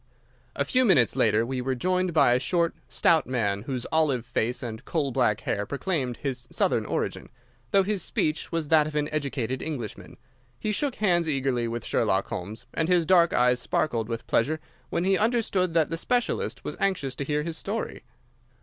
A few minutes later we were joined by a short, stout man whose olive face and coal black hair proclaimed his Southern origin, though his speech was that of an educated Englishman. He shook hands eagerly with Sherlock Holmes, and his dark eyes sparkled with pleasure when he understood that the specialist was anxious to hear his story.